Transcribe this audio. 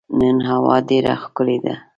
نن هوا ډېره ښکلې ده.